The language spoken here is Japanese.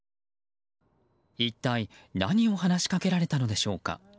一体、何を話しかけられたのでしょうか。